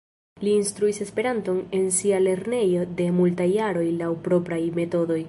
Li instruis Esperanton en sia lernejo de multaj jaroj laŭ propraj metodoj.